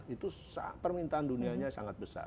itu permintaan dunianya sangat besar